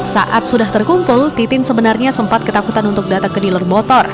saat sudah terkumpul titin sebenarnya sempat ketakutan untuk datang ke dealer motor